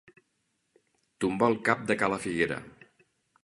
Tombar el cap de Cala Figuera.